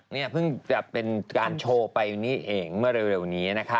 นี่เพิ่งจะเป็นการโชว์ไปนี่เองเมื่อเร็วนี้นะคะ